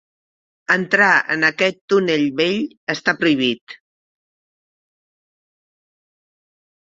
Entrar en aquest túnel vell està prohibit.